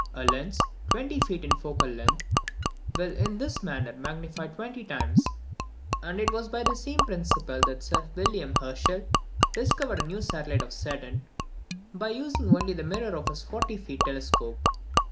A lens, twenty feet in focal length, will in this manner magnify twenty times; and it was by the same principle that Sir William Herschel discovered a new satellite of Saturn, by using only the mirror of his forty feet telescope.